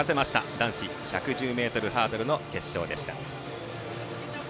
男子１１０ｍハードル決勝でした。